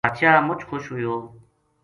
بادشاہ مُچ خوش ہویو